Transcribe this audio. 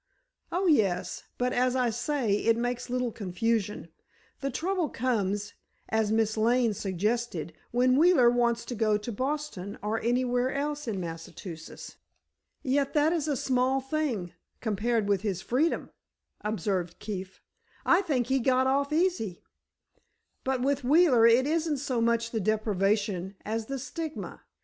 "Oh, yes; but, as I say, it makes little confusion. The trouble comes, as Miss Lane suggested, when Wheeler wants to go to Boston or anywhere in Massachusetts." "Yet that is a small thing, compared with his freedom," observed Keefe; "I think he got off easy." "But with Wheeler it isn't so much the deprivation as the stigma.